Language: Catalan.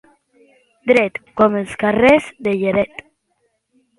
Dret com els carrers de Lleret.